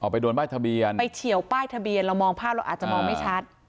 ไปโดนป้ายทะเบียนไปเฉียวป้ายทะเบียนเรามองภาพเราอาจจะมองไม่ชัด